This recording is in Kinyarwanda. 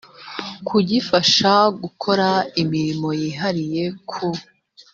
kugifasha gukora imirimo yihariye ku